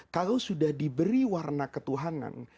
kalau sudah diberi warna ketuhanan